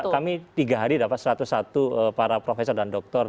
kami tiga hari dapat satu ratus satu para profesor dan dokter